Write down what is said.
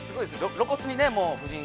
露骨に夫人。